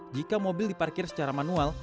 jika mobil diparkir secara manual